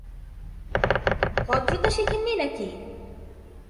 ভদ্রতা শেখেননি নাকি!